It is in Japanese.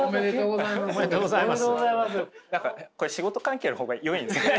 何かこれ仕事関係の方がよいんですかね？